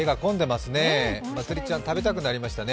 まつりちゃん食べたくなりましたね。